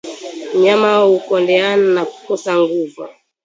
Mnyama kukondeana na kukosa nguvu